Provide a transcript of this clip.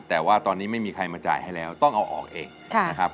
แต่ว่าตอนนี้ไม่มีใครมาจ่ายให้แล้วต้องเอาออกเองนะครับ